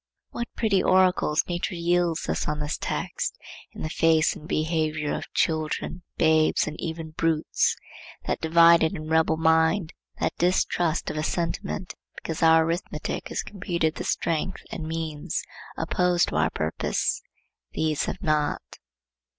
What pretty oracles nature yields us on this text in the face and behavior of children, babes, and even brutes! That divided and rebel mind, that distrust of a sentiment because our arithmetic has computed the strength and means opposed to our purpose, these have not.